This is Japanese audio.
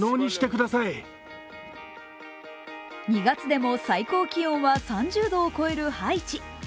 ２月でも最高気温は３０度を超えるハイチ。